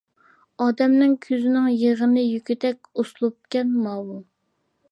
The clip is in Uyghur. ئادەمنىڭ كۆزىنىڭ يېغىنى يېگۈدەك ئۇسلۇبكەن ماۋۇ.